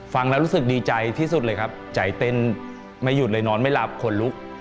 ฟังแล้วรู้สึกดีใจที่สุดเลยครับใจเต้นไม่หยุดเลยนอนไม่หลับขนลุก